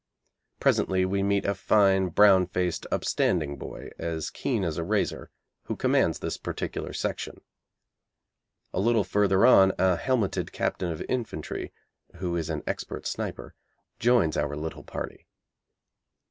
Presently we meet a fine, brown faced, upstanding boy, as keen as a razor, who commands this particular section. A little further on a helmeted captain of infantry, who is an expert sniper, joins our little party.